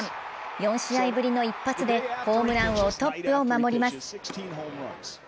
４試合ぶりの一発でホームラン王トップを守ります。